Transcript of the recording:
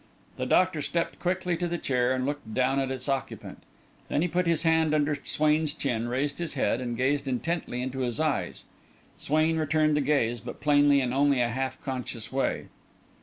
The doctor stepped quickly to the chair and looked down at its occupant. Then he put his hand under Swain's chin, raised his head and gazed intently into his eyes. Swain returned the gaze, but plainly in only a half conscious way.